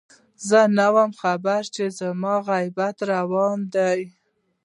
زه نه وم خبر چې زما غيبت روان دی